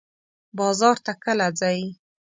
بازار ته کله ځئ؟